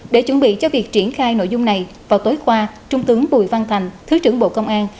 để chuẩn bị cho việc triển khai nội dung này vào tối qua trung tướng bùi văn thành thứ trưởng bộ công an